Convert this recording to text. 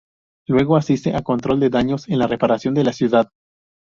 Luego asiste a Control de Daños en la reparación de la ciudad.